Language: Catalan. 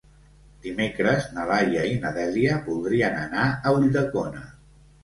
Dimecres na Laia i na Dèlia voldrien anar a Ulldecona.